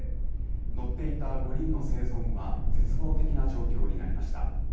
乗っていた５人の生存は絶望的な状況になりました。